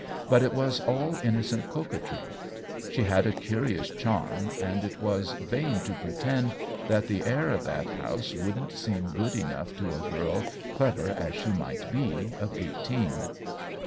But it was all innocent coquetry. She had a curious charm, and it was vain to pretend that the heir of that house wouldn*t seem good enough to a girl, clever as she might be, of eighteen.